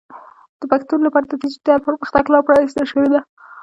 د پښتو لپاره د ډیجیټل پرمختګ لاره پرانیستل شوې ده.